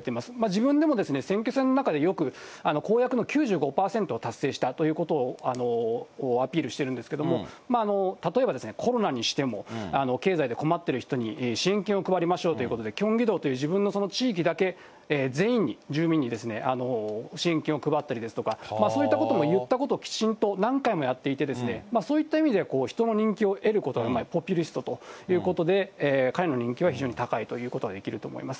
自分でも選挙戦の中でよく公約の９５％を達成したということをアピールしているんですけれども、例えばですね、コロナにしても、経済で困っている人に、新券を配りましょうということで、キョンギ道っていう自分の地域だけ全員に、住民に新券を配ったりですとか、そういったことも言ったことをきちんと何回もやっていて、そういった意味で、人の人気を得る、ポピュリストいうということで、彼の人気は非常に高いということができると思います。